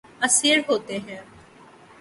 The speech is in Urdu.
اسیر ہوتے ہیں